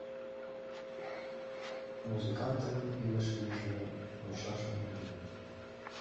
Музыкантемын илыш вийже мучашдыме лийын.